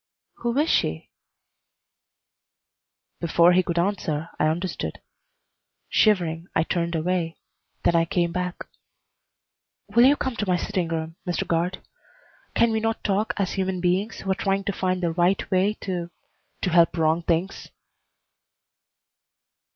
"Who is she?" Before he could answer I understood. Shivering, I turned away, then I came back. "Will you come to my sitting room, Mr. Guard? Can we not talk as human beings who are trying to find the right way to to help wrong things?"